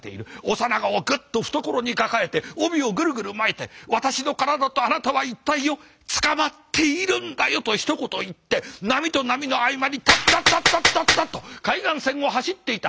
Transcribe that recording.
幼子をぐっと懐に抱えて帯をぐるぐる巻いて「私の体とあなたは一体よつかまっているんだよ」とひと言言って波と波の合間にタッタッタッタッタッタッと海岸線を走っていた。